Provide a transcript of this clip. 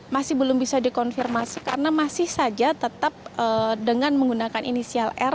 masih belum bisa dikonfirmasi karena masih saja tetap dengan menggunakan inisial r